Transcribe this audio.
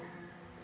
tidak ada yang mau